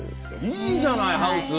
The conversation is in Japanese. いいじゃないハウス！